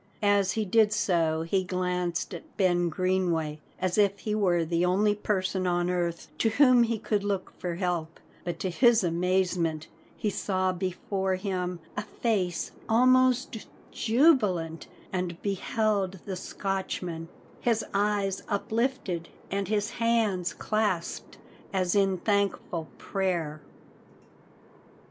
As he did so he glanced at Ben Greenway as if he were the only person on earth to whom he could look for help, but to his amazement he saw before him a face almost jubilant, and beheld the Scotchman, his eyes uplifted and his hands clasped as if in thankful prayer.